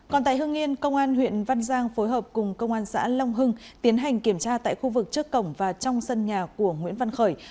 còn tại hương yên công an huyện văn giang phối hợp cùng công an xã long hưng tiến hành kiểm tra tại khu vực trước cổng và trong sân nhà của nguyễn văn khởi